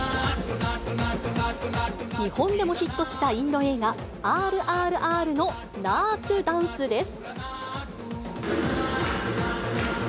日本でもヒットしたインド映画、ＲＲＲのナートゥダンスです。